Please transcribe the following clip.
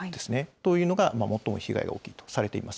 というのが最も被害が大きいとされています。